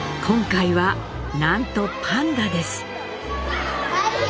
今回はなんとパンダです。